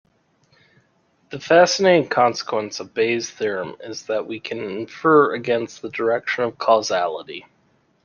The fascinating consequence of Bayes' theorem is that we can infer against the direction of causality.